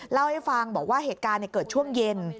เล่าให้ฟังบอกว่าเหตุการณ์เกิดช่วงเย็น